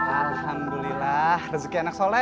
alhamdulillah rezeki anak soleh